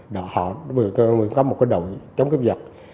đoạn họ đơn vựng có một đội chống cướp giật